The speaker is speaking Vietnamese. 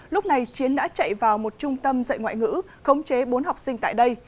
lúc này chiến đã chạy vào một trung tâm dạy ngoại ngữ khống chế bốn học sinh tại đây